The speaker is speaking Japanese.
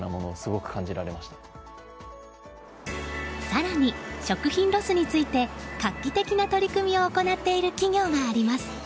更に食品ロスについて画期的な取り組みを行っている企業があります。